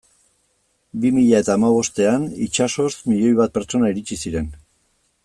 Bi mila eta hamabostean itsasoz milioi bat pertsona iritsi ziren.